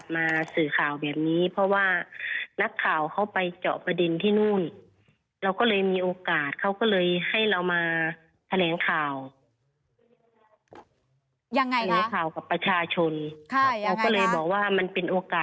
ไม่ได้เกี่ยวค่ะ